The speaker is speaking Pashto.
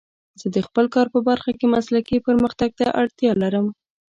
زه د خپل کار په برخه کې مسلکي پرمختګ ته اړتیا لرم.